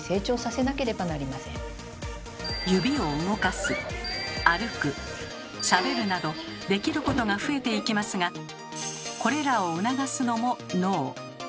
さらに赤ちゃんはなどできることが増えていきますがこれらを促すのも脳。